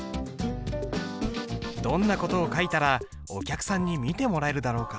どんな事を書いたらお客さんに見てもらえるだろうか。